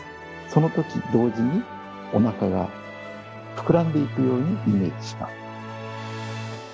そのとき同時にお腹が膨らんでいくようにイメージします。